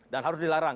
dan harus dilarang